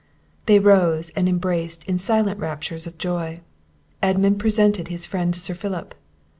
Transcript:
They rose, and embraced in silent raptures of joy. Edmund presented his friend to Sir Philip.